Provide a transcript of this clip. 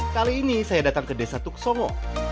kali ini saya datang ke desa tuk songo